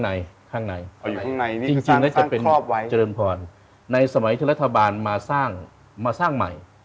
เจริญพรข้างในจริงน่าจะเป็นเจริญพรในสมัยที่รัฐบาลมาสร้างใหม่